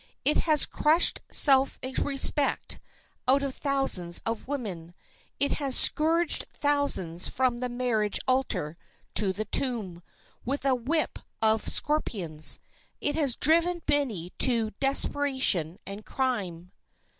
It has crushed self respect out of thousands of women; it has scourged thousands from the marriage altar to the tomb, with a whip of scorpions; it has driven many to desperation and crime."